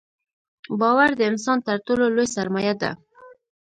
• باور د انسان تر ټولو لوی سرمایه ده.